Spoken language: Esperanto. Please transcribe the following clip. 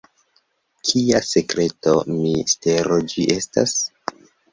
Kia sekreto, mistero ĝi estas?